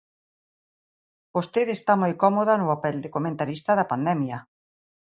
Vostede está moi cómoda no papel de comentarista da pandemia.